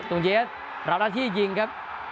ตรงเยสราวราธิยิงครับ